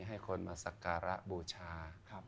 ให้คนมาสักการะบูชา